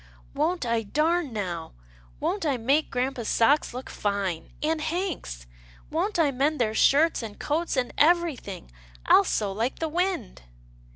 " Won't I darn now — won't I make grampa's 84 'TILDA JANE'S ORPHANS socks look fine — and Hank's! Won't I mend their shirts, and coats and everything — I'll sew like the wind